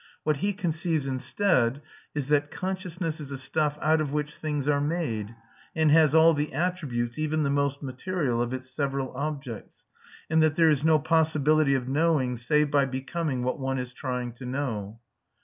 What he conceives instead is that consciousness is a stuff out of which things are made, and has all the attributes, even the most material, of its several objects; and that there is no possibility of knowing, save by becoming what one is trying to know.